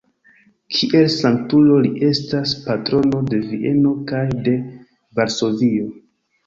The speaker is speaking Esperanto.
Kiel sanktulo li estas patrono de Vieno kaj de Varsovio.